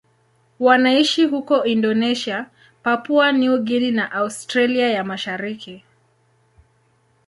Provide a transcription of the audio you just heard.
Wanaishi huko Indonesia, Papua New Guinea na Australia ya Mashariki.